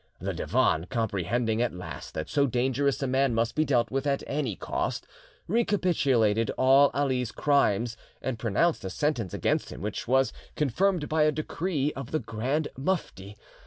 The Divan, comprehending at last that so dangerous a man must be dealt with at any cost, recapitulated all Ali's crimes, and pronounced a sentence against him which was confirmed by a decree of the Grand Mufti.